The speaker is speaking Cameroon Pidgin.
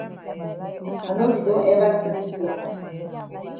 I no be don ever see dis wan.